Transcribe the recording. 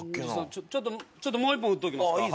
ちょっともう一本打っときますか。